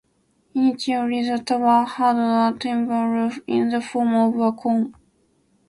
Initially, the tower had a timber roof in the form of a cone.